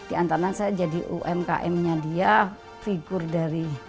di antara saya jadi umkmnya dia figur dari